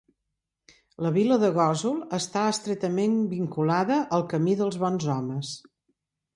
La vila de Gósol està estretament vinculada al Camí dels Bons Homes.